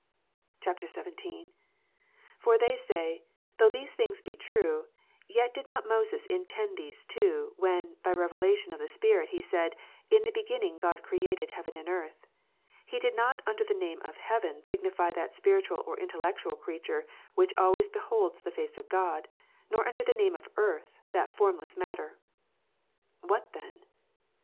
[XVII.] 24. For they say, " Though these things be true, yet did not Moses intend those two, when, by revelation of the Spirit, he said. In the beginning God created heaven and earth. He did not under the name of heaven, signify that spiritual or intellectual creature which always beholds the face of God ; nor under the name of earth, that formless matter. "What then?"